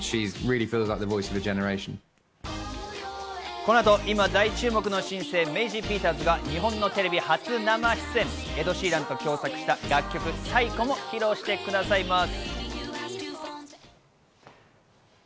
この後、今、大注目の新星メイジー・ピーターズが日本のテレビ初生出演、エド・シーランと共作した楽曲『Ｐｓｙｃｈｏ』も披露してくださいます。